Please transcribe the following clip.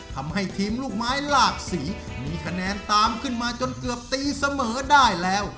ทำให้ทีมลูกไม้หลากสีมีคะแนนตามขึ้นมาจนเกือบตีเสมอได้แล้ว